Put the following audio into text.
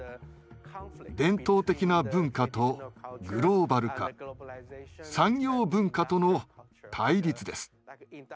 伝統的な文化とグローバル化産業文化との対立です。